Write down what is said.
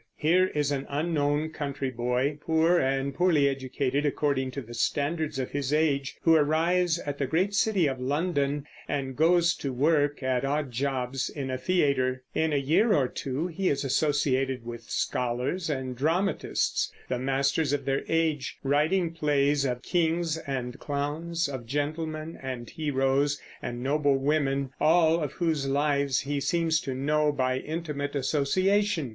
Here is an unknown country boy, poor and poorly educated according to the standards of his age, who arrives at the great city of London and goes to work at odd jobs in a theater. In a year or two he is associated with scholars and dramatists, the masters of their age, writing plays of kings and clowns, of gentlemen and heroes and noble women, all of whose lives he seems to know by intimate association.